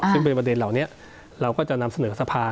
ซึ่งเป็นประเด็นเหล่านี้เราก็จะนำเสนอสภา